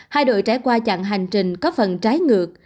hai đội trải qua chặn hành trình có phần trái ngược